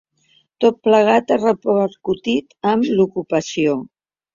Tot plegat ha repercutit en l’ocupació.